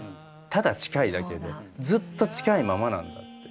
ただ近いだけでずっと近いままなんだって。